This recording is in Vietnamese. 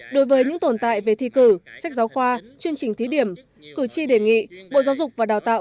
đối với những tồn tại về thi cử sách giáo khoa chương trình thí điểm cử tri đề nghị bộ giáo dục và đào tạo